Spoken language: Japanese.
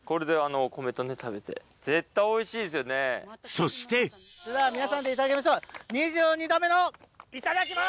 そして皆さんでいただきましょう２２度目のいただきます！